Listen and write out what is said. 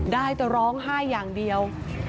ได้แต่ร้องไห้อย่างเดียว